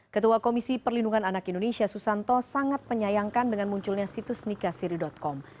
ketua komisi perlindungan anak indonesia susanto sangat menyayangkan dengan munculnya situs nikahsiri com